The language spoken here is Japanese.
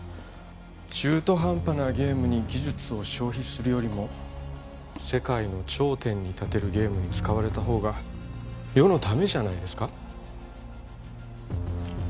中途半端なゲームに技術を消費するよりも世界の頂点に立てるゲームに使われた方が世のためじゃないですか？